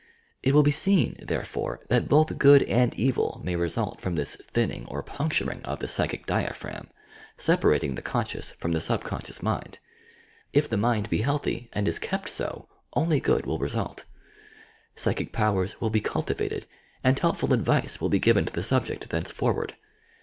It will be seen, therefore, that both good and evil may result from this thinning or puncturing of the "psychic diaphragm," separating the conscious from the subconscious mind. If the mind be healthy, and is kept so, only good will result. Psychic powers will be cultivated and helpful advice will be given to the subject thenceforward.